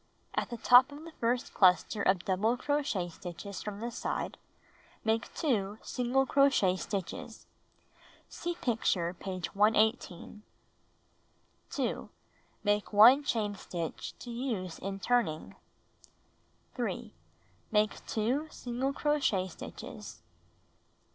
At the top of the first chister of double crochet stitches from the side, make 2 single crochet stitches. (See picture, page 118.) 2. Make 1 chain stitch to use in turning. 3. Make 2 single crochet stitches.